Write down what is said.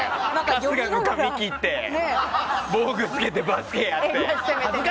春日の髪切って防具つけてバスケやって。